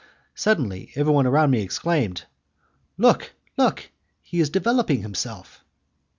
Suddenly everyone round me exclaimed, "Look! look! he is developing himself!"